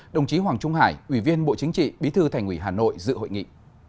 đồng chí hoàng trung hải ủy viên bộ chính trị bí thư thành ủy hà nội dự hội nghị